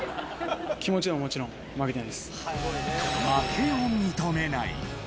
気持ちでももちろん、負けて負けを認めない。